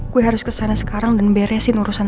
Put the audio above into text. gue harus kesana sekarang dan beresin urusan